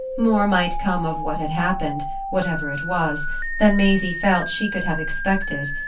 More might come of what had happened whatever it was than Maisie felt she could have expected.